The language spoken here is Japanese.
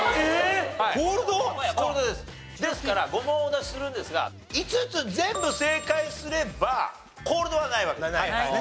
ですから５問お出しするんですが５つ全部正解すればコールドはないわけです。